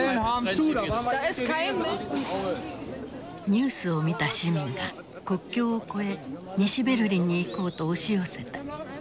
ニュースを見た市民が国境を越え西ベルリンに行こうと押し寄せた。